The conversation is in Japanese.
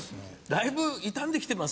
だいぶ傷んできてます。